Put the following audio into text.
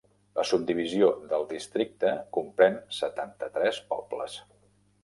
La subdivisió del districte comprèn setanta-tres pobles.